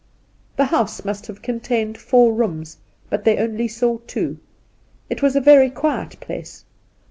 The house must have contained four rooms ; but they only saw two. It was a very quiet place.